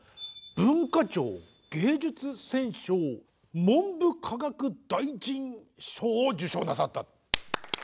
文化庁芸術選奨文部科学大臣賞を受賞なさった。